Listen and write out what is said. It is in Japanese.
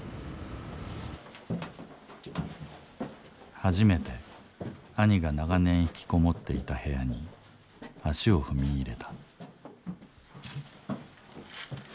初めて兄が長年ひきこもっていた部屋に足を踏み入れた。